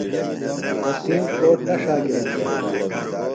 وسیم کوٹ نہ ݜا گِرہ دےۡ۔